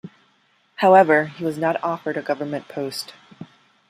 However, he was not offered a government post.